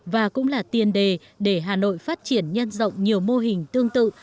và cũng là tiền đề để hà nội phát triển nhân rộng nhiều mô hình tương tự